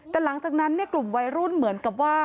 แต่หลังจากนั้นกลุ่มวัยรุ่นเหมือนกับว่า